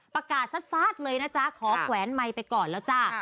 ประกาศซาดเลยนะจ๊ะขอแขวนไมค์ไปก่อนแล้วจ้า